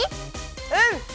うん！